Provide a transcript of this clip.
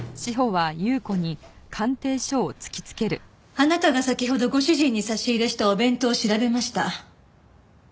あなたが先ほどご主人に差し入れしたお弁当を調べました。